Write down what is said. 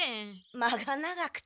間が長くて。